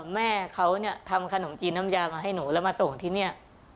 แม่เขาเนี่ยทำขนมจีนน้ำยามาให้หนูแล้วมาส่งที่นี่